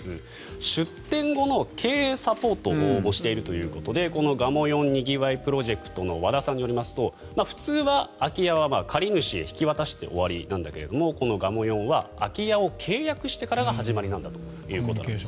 出店後の経営サポートをしているということでがもよんにぎわいプロジェクトの和田さんによりますと普通は空き家は借り主へ引き渡して終わりだけどがもよんは空き家を契約してからが始まりなんだということです。